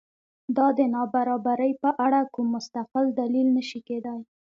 دا د نابرابرۍ په اړه کوم مستقل دلیل نه شي کېدای.